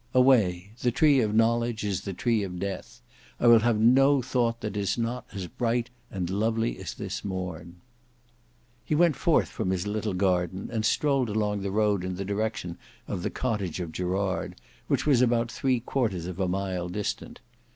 Away! the tree of knowledge is the tree of death. I will have no thought that is not as bright and lovely as this morn." He went forth from his little garden, and strolled along the road in the direction of the cottage of Gerard, which was about three quarters of a mile distant.